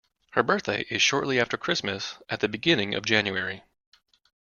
Her birthday is shortly after Christmas, at the beginning of January